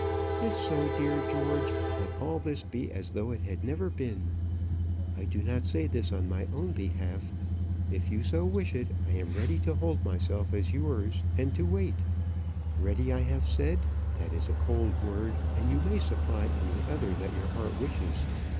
If so, dear George, let all this be as though it had never been. I do not say this on my own behalf. If you so wish it, I am ready to hold myself as yours, and to wait. Ready, I have said! That is a cold word, and you may supply any other that your heart wishes.